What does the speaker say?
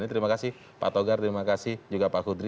terima kasih pak togar terima kasih juga pak kudri